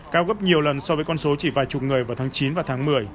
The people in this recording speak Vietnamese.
cao gấp nhiều lần so với con số chỉ vài chục người vào tháng chín và tháng một mươi